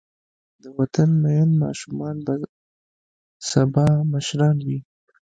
د وطن مین ماشومان به سبا مشران وي.